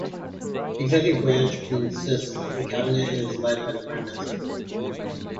The Executive branch consists of the Cabinet and is led by the Prime Minister.